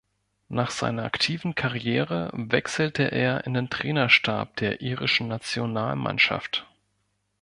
Nach seiner aktiven Karriere wechselte er in den Trainerstab der irischen Nationalmannschaft.